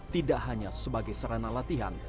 tidak hanya sebagai serana latihan